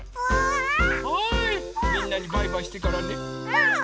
うん！